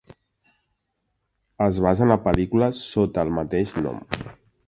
Es basa en la pel·lícula sota el mateix nom.